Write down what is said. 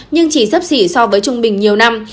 nhưng chỉ sấp xỉ so với trung bình nhiều năm